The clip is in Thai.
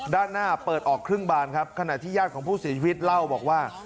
ด้านหน้าเปิดออกครึ่งบานครับขณะที่ญาติของผู้เสียชีวิตเล่าบอกว่า